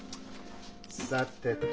さてと。